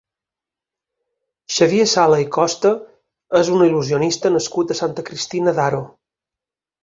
Xavier Sala i Costa és un il·lusionista nascut a Santa Cristina d'Aro.